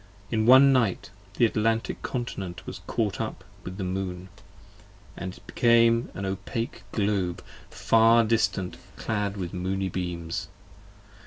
In one night the Atlantic Continent was caught up with the Moon, 20 And became an Opake Globe far distant clad with moony beams.